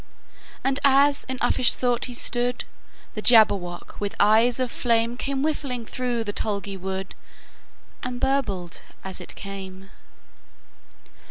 And as in uffish thought he stood, The Jabberwock, with eyes of flame, Came whiffling through the tulgey wood, And burbled as it came!